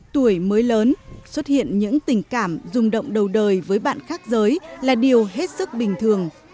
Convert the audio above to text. tuổi mới lớn xuất hiện những tình cảm dùng động đầu đời với bạn khác giới là điều hết sức bình thường